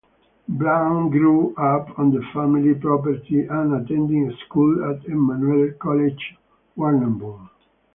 Brown grew up on the family property and attended school at Emmanuel College Warrnambool.